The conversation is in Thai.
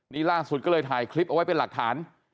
นี่ล่าสุดก็เลยถ่ายคลิปเอาไว้เป็นหลักฐาน